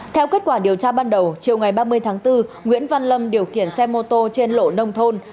theo kết quả điều tra ban đầu chiều ngày ba mươi tháng bốn nguyễn văn lâm điều khiển xe mô tô trên lộ nông thôn